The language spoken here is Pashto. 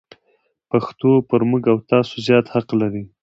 پښتو پر موږ او تاسو زیات حق لري.